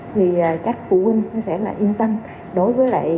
thì các phụ huynh sẽ yên tâm đối với các hợp động